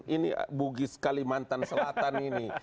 ini bugis kalimantan selatan ini